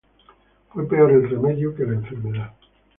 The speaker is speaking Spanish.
Fue peor el remedio que la enfermedad.